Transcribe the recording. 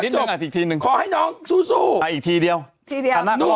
ยิ้มให้น้องเท่านี้หน่อยเร็ว